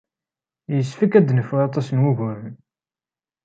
Yessefk ad nefru aṭas n wuguren.